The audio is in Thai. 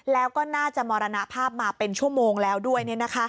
แล้วก็น่าจะมรณภาพมาเป็นชั่วโมงแล้วด้วย